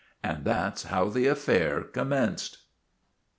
And that 's how the affair commenced.